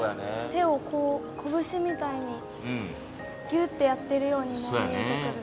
手をこぶしみたいにギュッてやってるようにも見えてくる。